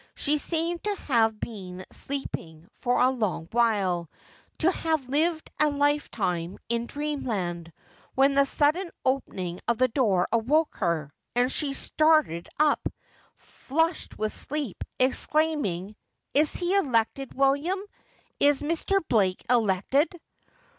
She seemed to have been sleep ing for a long while — to have lived a lifetime in dreamland, when the sudden opening of the door awoke her, and she started up, flushed with sleep, exclaiming, ' Is he elected, William 1 Is Mr. Elake elected?'